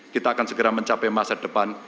kita akan segera mencapai masa depan